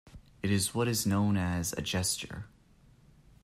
It is what is known as a gesture.